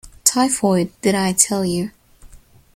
Typhoid -- did I tell you.